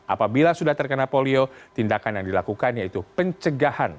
apabila sudah terkena polio tindakan yang dilakukan yaitu pencegahan